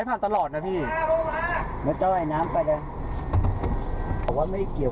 บอกไม่ได้บีบไอ้น้ำบอกไม่ได้บีบ